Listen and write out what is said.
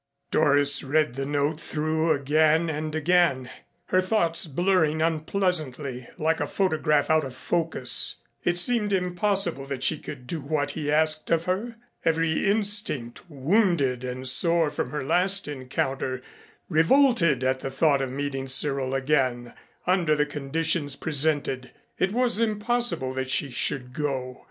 Doris read the note through again and again, her thoughts blurring unpleasantly, like a photograph out of focus. It seemed impossible that she could do what he asked of her. Every instinct, wounded and sore from her last encounter, revolted at the thought of meeting Cyril again under the conditions presented. It was impossible that she should go.